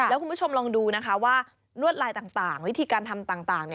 แล้วคุณผู้ชมลองดูนะคะว่าลวดลายต่างวิธีการทำต่าง